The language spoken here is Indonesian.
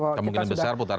kemungkinan besar putaran dua